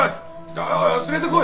ああ連れてこい！